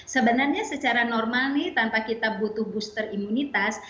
sebenarnya secara normal nih tanpa kita butuh booster imunitas